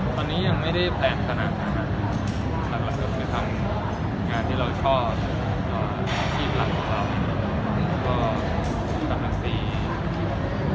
ตอนนี้ยังไม่ได้แพลนขนาดนั้นหลักก็คือทำงานที่เราชอบอาชีพหลักของเราแล้วก็สรรคศีรภ์